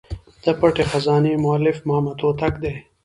د پټي خزانې مؤلف محمد هوتک دﺉ.